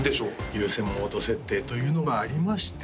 優先モード設定というのがありまして